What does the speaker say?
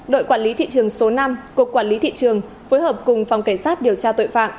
đội quản lý thị trường số năm cục quản lý thị trường phối hợp cùng phòng cảnh sát điều tra tội phạm